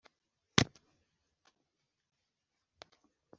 ba leta kandi hubahirizwa itegeko